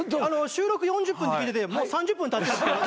収録４０分って聞いててもう３０分たってるんですけど。